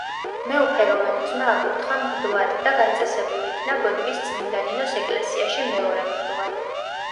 მეუფე რომანოზმა აკურთხა მღვდლად და განწესებულ იქნა ბოდბის წმიდა ნინოს ეკლესიაში მეორე მღვდლად.